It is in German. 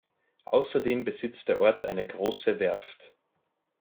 Außerdem besitzt der Ort eine große Werft.